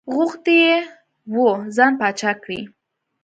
غوښتي یې وو ځان پاچا کړي.